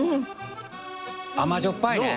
甘じょっぱいね。